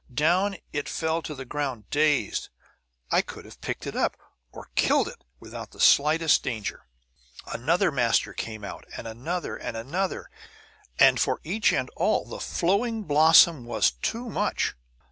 Down it fell to the ground, dazed; I could have picked it up, or killed it, without the slightest danger! "Another master came out, and another, and another; and for each and all the flowing blossom was too much!